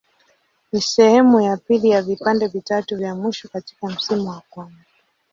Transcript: Ni sehemu ya pili ya vipande vitatu vya mwisho katika msimu wa kwanza.